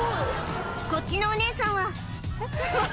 こっちのお姉さんはうわ